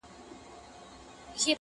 مرور سهار به خامخا ستنېږي,